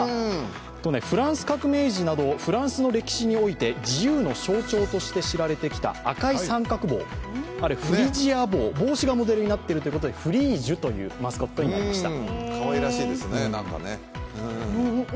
フランス革命時などフランスの歴史において自由の象徴とされてきた赤い三角帽、フリジア帽、帽子がモデルになってるということでフリージュというマスコットになりました。